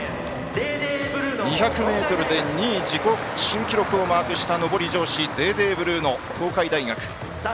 １００ｍで２位自己新記録をマークしたのぼり調子、デーデーブルーノ。